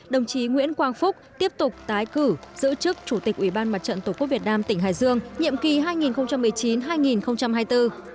đồng chí nguyễn quang phúc tiếp tục tái cử giữ chức chủ tịch ủy ban mặt trận tổ quốc việt nam tỉnh hải dương nhiệm kỳ hai nghìn một mươi chín hai nghìn hai mươi bốn